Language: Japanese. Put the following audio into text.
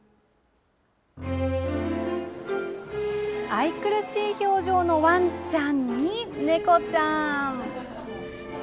愛くるしい表情のわんちゃんに猫ちゃん。